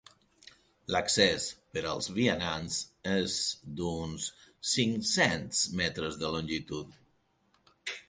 L'accés per als vianants és d'uns cinc-cents m de longitud.